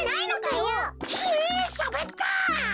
ひえしゃべった！